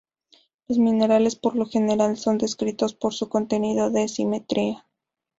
Los minerales por lo general son descritos por su contenido de simetría.